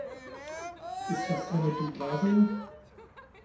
Ist das eine Douglasie?